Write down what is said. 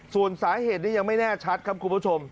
ส่วนสาเหตุนี้ยังไม่แน่ชัดครับคุณผู้ชม